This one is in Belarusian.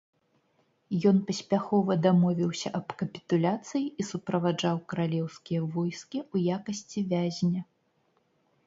Ён паспяхова дамовіўся аб капітуляцыі і суправаджаў каралеўскія войскі ў якасці вязня.